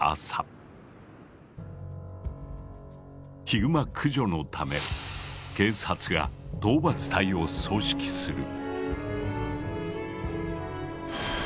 ヒグマ駆除のため警察が討伐隊を総指揮する。